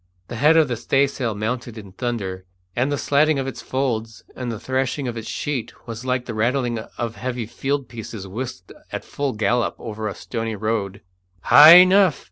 The head of the staysail mounted in thunder, and the slatting of its folds and the thrashing of its sheet was like the rattling of heavy field pieces whisked at full gallop over a stony road. "High enough!"